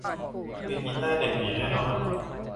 มือกีตาร์เด็กผีแน่นอน